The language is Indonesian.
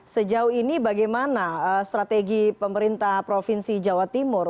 sejauh ini bagaimana strategi pemerintah provinsi jawa timur